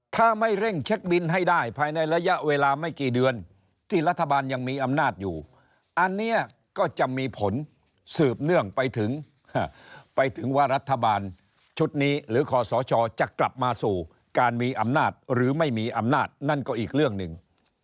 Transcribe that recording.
ถ้าไม่เร่งเช็คบินให้ได้ภายในระยะเวลาไม่กี่เดือนที่รัฐบาลยังมีอำนาจอยู่อันนี้ก็จะมีผลสืบเนื่องไปถึงไปถึงว่ารัฐบาลชุดนี้หรือคอสชจะกลับมาสู่การมีอำนาจหรือไม่มีอำนาจนั่นก็อีกเรื่องหนึ่ง